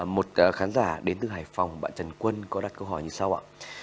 một khán giả đến từ hải phòng bạn trần quân có đặt câu hỏi như sau ạ